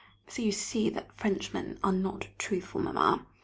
So you see that Frenchmen are not truthful, Mamma!